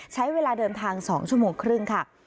ใช้เวลาเดินทาง๒ชั่วโมงครึ่งค่ะ